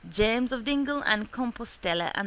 James of Dingle and Compostella and S.